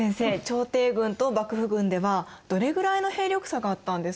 朝廷軍と幕府軍ではどれくらいの兵力差があったんですか？